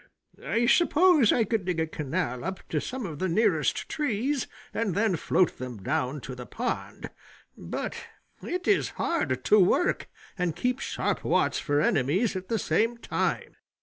I suppose I could dig a canal up to some of the nearest trees and then float them down to the pond, but it is hard to work and keep sharp watch for enemies at the same time.